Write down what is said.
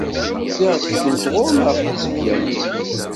Ziɣ ggtent ɣur-neɣ tlisbyanin!